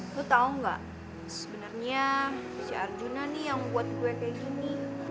lo tau gak sebenernya si arjuna nih yang buat gue kayak gini